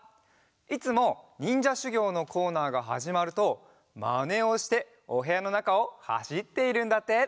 いつもにんじゃしゅぎょうのコーナーがはじまるとマネをしておへやのなかをはしっているんだって。